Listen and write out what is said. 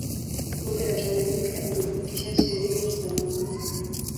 Bunge la Tanganyika lilipitisha Sheria za Muungano